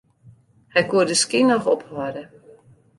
Hy koe de skyn noch ophâlde.